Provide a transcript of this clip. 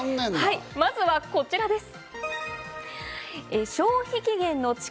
まずはこちらです。